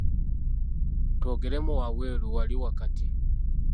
Twogeremu wabweru wali kati.